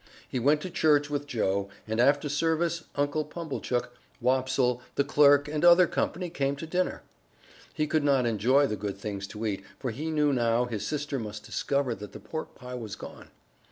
He went to church with Joe, and after service Uncle Pumblechook, Wopsle, the clerk, and other company came to dinner. He could not enjoy the good things to eat, for he knew now his sister must discover that the pork pie was gone.